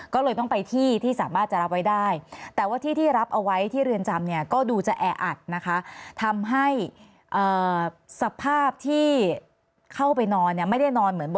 ก็เลยต้องไปที่สามารถจะรับไว้ได้